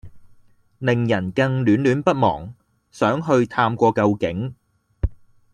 令人更戀戀不忘，想去探過究竟！